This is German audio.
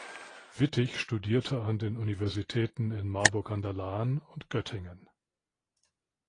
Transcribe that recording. Wittich studierte an den Universitäten in Marburg an der Lahn und Göttingen.